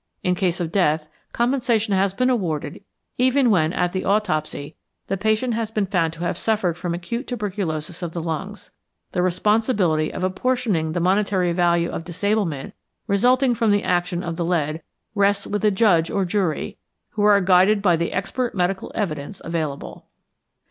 In case of death, compensation has been awarded even when at the autopsy the patient has been found to have suffered from acute tuberculosis of the lungs. The responsibility of apportioning the monetary value of disablement resulting from the action of the lead rests with a judge or jury, who are guided by the expert medical evidence available.